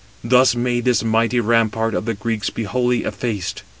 Thus may this mighty rampart of the Greeks be wholly effaced."